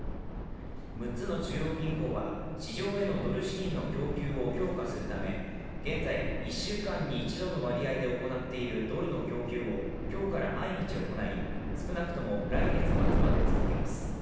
６つの中央銀行は市場へのドル資金の供給を強化するため現在、１週間に一度の割合で行っているドルの供給を今日から毎日行い、少なくとも来月末まで続けます。